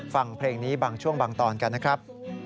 ฟังเพลงนี้บางช่วงบางตอนกันนะครับ